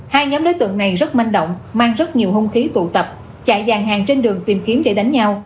hai nhóm đối tượng này rất manh động mang rất nhiều hung khí tụ tập chạy dàn hàng trên đường tìm kiếm để đánh nhau